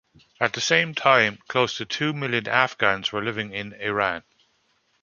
At the same time, close to two million Afghans were living in Iran.